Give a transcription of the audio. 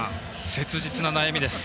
切実な悩みです。